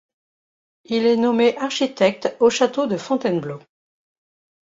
Il est nommé architecte au château de Fontainebleau.